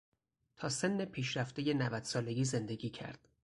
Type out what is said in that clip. تا سن پیشرفتهی نودسالگی زندگی کرد.